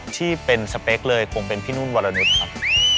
ที่เป็นสเปคเลยคงเป็นพี่นุ่นวรนุษย์ครับ